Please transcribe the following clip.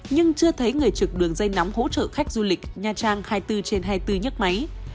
nhưng chưa thấy người trực đường dây nóng hỗ trợ khách du lịch nha trang hai mươi bốn trên hai mươi bốn nhác máy